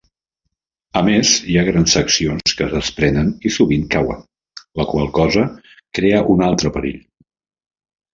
A més, hi ha grans seccions que es desprenen i sovint cauen, la qual cosa crea un altre perill.